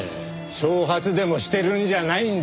挑発でもしてるんじゃないんですか！